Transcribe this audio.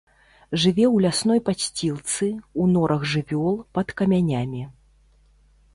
Жыве ў лясной падсцілцы, у норах жывёл, пад камянямі.